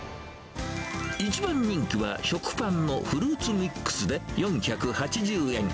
一番人気は食パンのフルーツＭＩＸで４８０円。